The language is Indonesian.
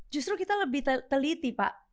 justru kita lebih teliti pak